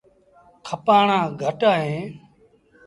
کپآڻآن گھٽ اهيݩ۔